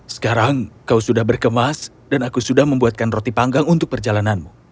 sekarang kau sudah berkemas dan aku sudah membuatkan roti panggang untuk perjalananmu